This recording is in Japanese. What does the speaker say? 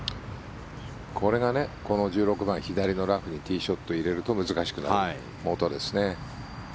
これがこの１６番左のラフにティーショットを入れると難しくなるもとですね。